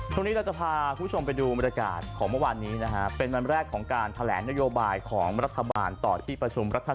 ทุกวันนี้เราจะพาคุณผู้ชมไปดูบริการของเมื่อวานนี้นะฮะ